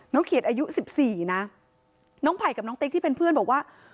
น้องเขียดอายุสิบสี่นะน้องไผ่กับน้องเต๊กที่เป็นเพื่อนบอกว่า